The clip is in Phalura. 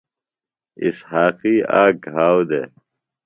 اِسحاقی آک گھاؤ دےۡ۔